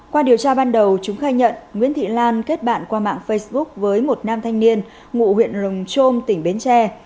qua điều tra ban đầu chúng khai nhận nguyễn thị lan kết bạn qua mạng facebook với một nam thanh niên ngụ huyện rồng trôm tỉnh bến tre